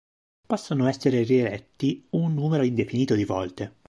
Possono essere rieletti un numero indefinito di volte.